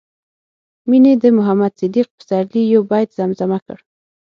مينې د محمد صديق پسرلي يو بيت زمزمه کړ